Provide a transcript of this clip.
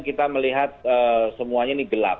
kita melihat semuanya ini gelap